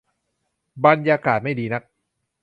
บรรยากาศไม่ดีนัก